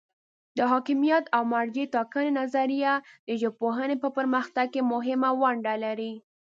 د حاکمیت او مرجع ټاکنې نظریه د ژبپوهنې په پرمختګ کې مهمه ونډه لري.